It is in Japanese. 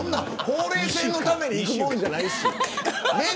ほうれい線のために行くもんじゃないです。